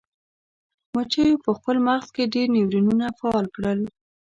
مچیو په خپل مغز کې ډیر نیورونونه فعال کړل.